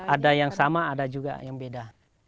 ada yang sama ada juga yang beda